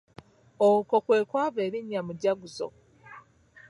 Okwo kwe kwava erinnya Mujaguzo.